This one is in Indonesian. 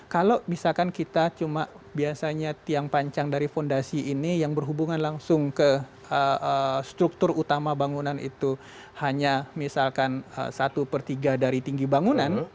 kalau misalkan kita cuma biasanya tiang panjang dari fondasi ini yang berhubungan langsung ke struktur utama bangunan itu hanya misalkan satu per tiga dari tinggi bangunan